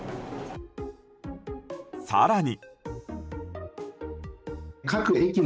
更に。